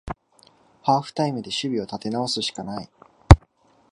ハーフタイムで守備を立て直すしかない